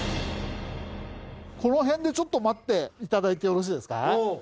この辺でちょっと待っていただいてよろしいですか。